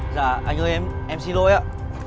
dạ anh ơi em xin lỗi ạ